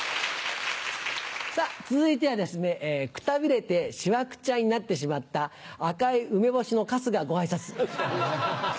続いてはですねくたびれてしわくちゃになってしまった赤い梅干しのかすがご挨拶。